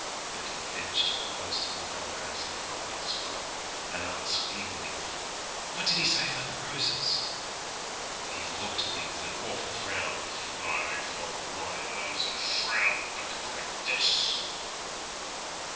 Betty edged up close to her brother as he got thus far, and asked eagerly, 'What did he say about the roses?' 'He looked at me with an awful frown, and I folded my arms and frowned back, like this!'